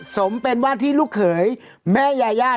สมเป็นว่าที่ลูกเขยแม่ยายา